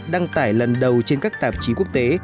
đăng tải lần đầu trên các tạp chí quốc tế